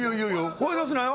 声出すなよ。